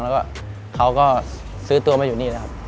แล้วเค้าก็ซื้อตัวมาอยู่นี่เลยครับ